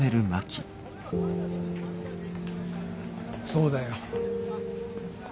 そうだよ。